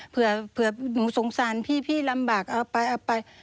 เผื่อหนูสงสารพี่พี่ลำบากเอาไปเอาไป